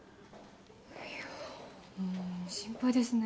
いやうん心配ですね。